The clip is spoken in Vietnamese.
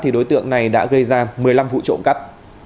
thì đối tượng này đã gây ra một mươi năm vụ trộm cắp